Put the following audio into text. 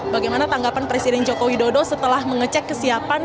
bagaimana tanggapan presiden joko widodo setelah mengecek kesiapan